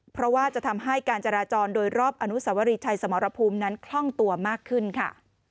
เพราะว่าจะทำให้การจราจรโดยรอบอนุสวรีชัยสมรภูมินั้นคล่องตัวมากขึ้นค่ะ